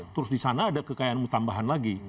terus di sana ada kekayaanmu tambahan lagi